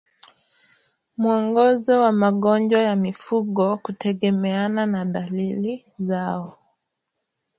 Mwongozo wa magonjwa ya mifugo kutegemeana na dalili zao